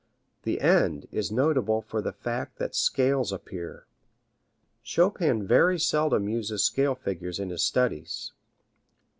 The end is notable for the fact that scales appear. Chopin very seldom uses scale figures in his studies.